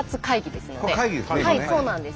はいそうなんです。